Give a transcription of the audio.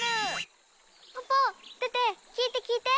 ポポテテ聞いて聞いて。